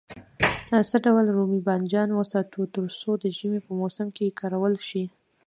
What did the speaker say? څه ډول رومي بانجان وساتو تر څو د ژمي په موسم کې کارول شي.